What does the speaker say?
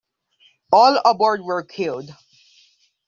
All aboard were killed.